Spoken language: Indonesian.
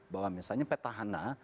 bahwa misalnya peta hana